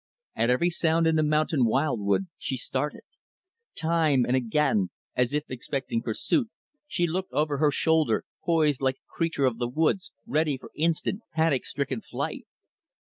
At every sound in the mountain wild wood, she started. Time and again, as if expecting pursuit, she looked over her shoulder poised like a creature of the woods ready for instant panic stricken flight.